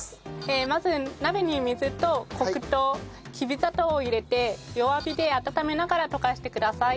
まず鍋に水と黒糖きび砂糖を入れて弱火で温めながら溶かしてください。